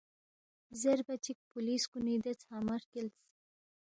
زیربا چِک پولِیس کُنی دے ژھنگمہ ہرکِلس